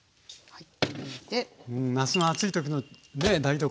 はい。